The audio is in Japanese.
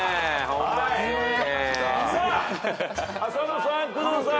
さあ浅野さん工藤さん。